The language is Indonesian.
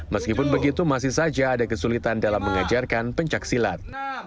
meskipun begitu masih saja ada kesulitan dalam mengajarkan pencaksilat